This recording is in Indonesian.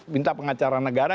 minta pengacara negara